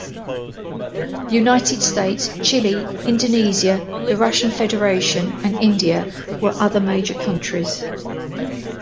The United States, Chile, Indonesia, the Russian Federation and India were other major countries.